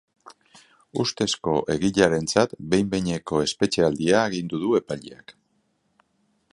Ustezko egilearentzat behin-behineko espetxealdia agindu du epaileak.